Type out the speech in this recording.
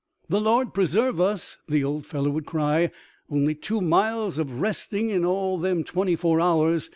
" The Lord preserve us !" the old fellow would cry, . "only two miles of westing in all them twenty four hours